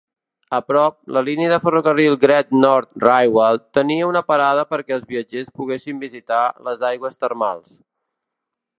A prop, la línia de ferrocarril Great Northern Railway tenia una parada perquè els viatgers poguessin visitar les aigües termals.